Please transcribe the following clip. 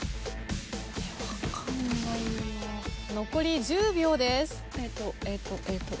残り１０秒です。